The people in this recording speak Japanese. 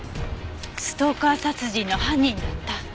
ストーカー殺人の犯人だった。